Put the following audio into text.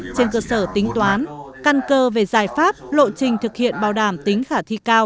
trên cơ sở tính toán căn cơ về giải pháp lộ trình thực hiện bảo đảm tính khả thi cao